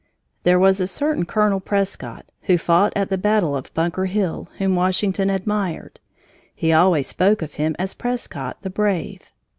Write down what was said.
There was a certain Colonel Prescott who fought at the battle of Bunker Hill whom Washington admired. He always spoke of him as Prescott, the brave.